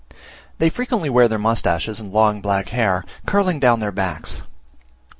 They frequently wear their moustaches and long black hair curling down their backs.